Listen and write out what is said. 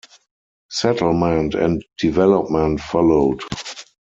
Settlement and development followed.